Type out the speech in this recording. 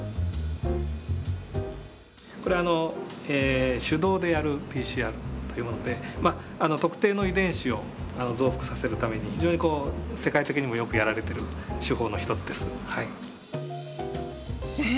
これは手動でやるＰＣＲというもので特定の遺伝子を増幅させるために非常に世界的にもよくやられてる手法の一つです。え！？